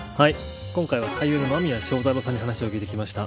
今回は俳優の間宮祥太朗さんに話を聞いてきました。